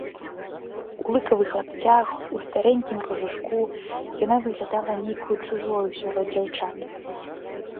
У лыкавых лапцях, у старэнькім кажушку яна выглядала нейкаю чужою сярод дзяўчат.